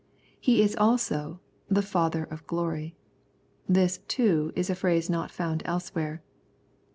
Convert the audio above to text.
He is also '' the Father of Glory." This, too, is a phrase not found elsewhere.